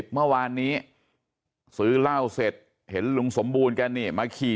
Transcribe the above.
เมื่อวานนี้ซื้อเหล้าเสร็จเห็นลุงสมบูรณ์แกนี่มาขี่